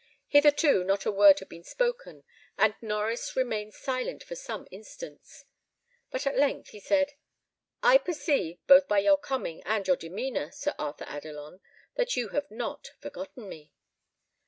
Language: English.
Hitherto not a word had been spoken, and Norries remained silent for some instants; but at length he said, "I perceive, both by your coming and your demeanour, Sir Arthur Adelon, that you have not forgotten me."